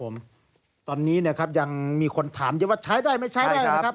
ครับผมตอนนี้ยังมีคนถามว่าใช้ได้ไม่ใช้ได้นะครับ